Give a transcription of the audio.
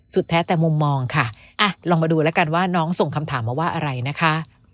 แท้แต่มุมมองค่ะลองมาดูแล้วกันว่าน้องส่งคำถามมาว่าอะไรนะคะ